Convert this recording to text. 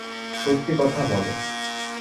সত্যি কথা বলো।